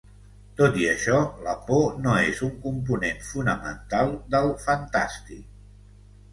Tot i això, la por no és un component fonamental del "fantàstic".